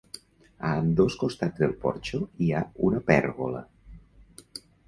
A ambdós costats del porxo hi ha una pèrgola.